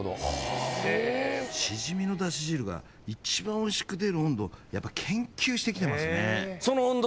へぇしじみの出汁汁が一番おいしく出る温度やっぱ研究してきてますね